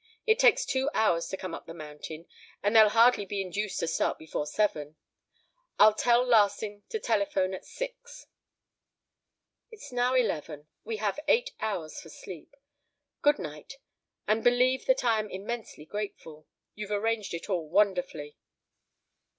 It takes two hours to come up the mountain, and they'll hardly be induced to start before seven. I'll tell Larsing to telephone at six." "It's now eleven. We have eight hours for sleep. Good night, and believe that I am immensely grateful. You've arranged it all wonderfully."